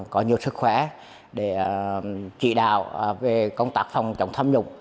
có nhiều sức khỏe để trị đạo về công tác phòng trọng tham nhục